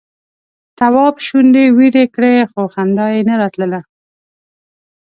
تواب شونډې ويړې کړې خو خندا یې نه راتله.